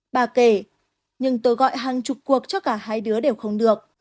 bà kể nhưng tôi gọi hàng chục cuộc cho cả hai đứa đều không được